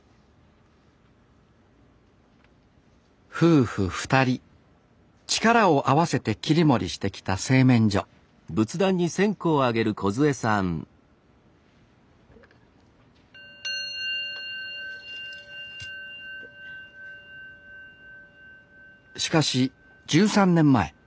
夫婦２人力を合わせて切り盛りしてきた製麺所しかし１３年前。